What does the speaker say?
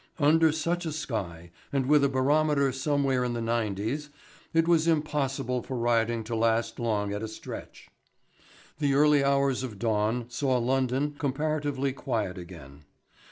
Under such a sky, and with a barometer somewhere in the nineties, it was impossible for rioting to last long at a stretch. The early hours of dawn saw London comparatively quiet again.